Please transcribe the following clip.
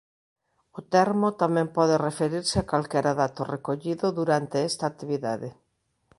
O termo tamén pode referirse a calquera dato recollido durante esta actividade.